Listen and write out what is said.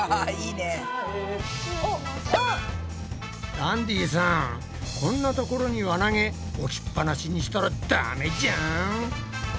ダンディさんこんなところに輪投げ置きっぱなしにしたらダメじゃん！